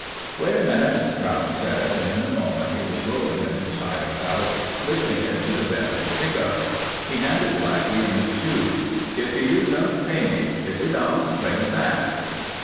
"Wait a minute," Brown said and in a moment he was rolling a new tire out, lifting it to the bed of the pickup. He handed Blackie a new tube. "If you use them, pay me. If you don't, bring 'em back."